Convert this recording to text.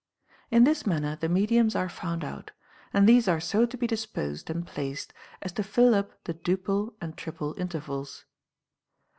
In this manner the mediums are found out ; and these are so to be disposed and placed as to fill up the duple and triple intervals.